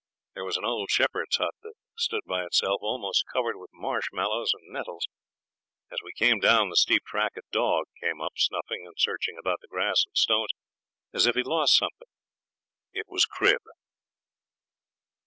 There was an old shepherd's hut that stood by itself almost covered with marsh mallows and nettles. As we came down the steep track a dog came up snuffing and searching about the grass and stones as if he'd lost something. It was Crib.